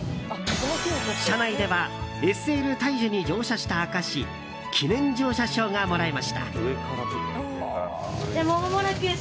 車内では「ＳＬ大樹」に乗車した証し記念乗車証がもらえました。